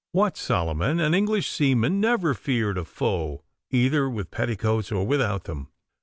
'What, Solomon! an English seaman never feared a foe, either with petticoats or without them.